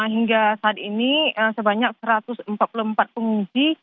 hingga saat ini sebanyak satu ratus empat puluh empat pengungsi